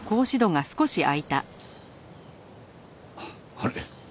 あれ？